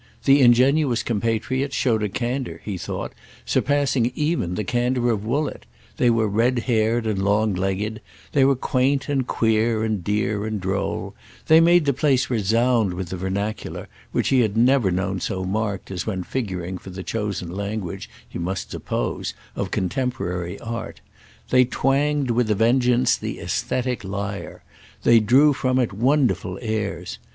The ingenuous compatriots showed a candour, he thought, surpassing even the candour of Woollett; they were red haired and long legged, they were quaint and queer and dear and droll; they made the place resound with the vernacular, which he had never known so marked as when figuring for the chosen language, he must suppose, of contemporary art. They twanged with a vengeance the æsthetic lyre—they drew from it wonderful airs.